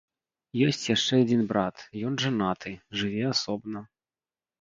Ёсць яшчэ адзін брат, ён жанаты, жыве асобна.